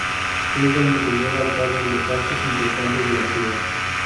Es donde se llevan a cabos los actos importantes de la ciudad.